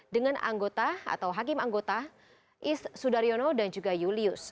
dengan anggota atau hakim anggota is sudaryono dan juga julius